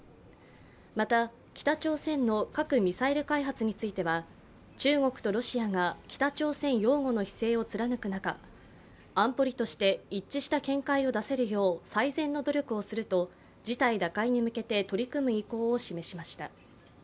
また、北朝鮮の核・ミサイル開発については中国とロシアが北朝鮮擁護の姿勢を貫く中、安保理として一致した見解を出せるよう最善の努力をすると、事態打開に向けて取り組む意向を示しました。